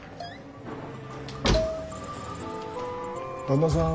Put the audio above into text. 旦那さん